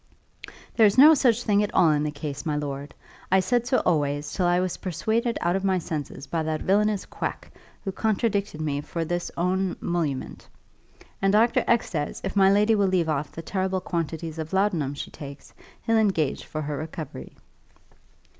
There's no such thing at all in the case, my lord! I said so always, till I was persuaded out of my senses by that villainous quack, who contradicted me for this own 'molument. And Doctor X says, if my lady will leave off the terrible quantities of laudanum she takes, he'll engage for her recovery."